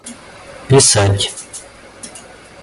писать